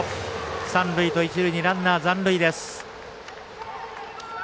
三塁、一塁にランナー残塁です。